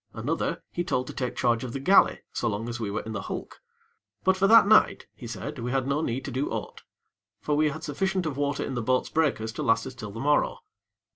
Another, he told to take charge of the galley, so long as we were in the hulk. But for that night, he said we had no need to do aught; for we had sufficient of water in the boats' breakers to last us till the morrow.